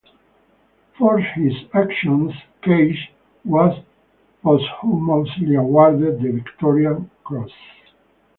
For his actions, Keyes was posthumously awarded the Victoria Cross.